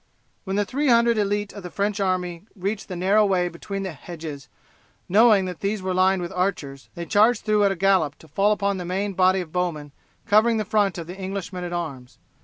When the three hundred elite of the French army reached the narrow way between the hedges, knowing that these were lined with archers they charged through at a gallop to fall upon the main body of bowmen covering the front of the English men at arms.